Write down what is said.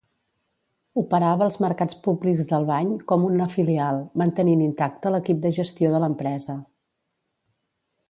Operava els Mercats Públics d'Albany com una filial, mantenint intacte l'equip de gestió de l'empresa.